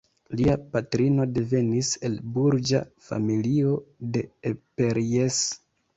Lia patrino devenis el burĝa familio de Eperjes.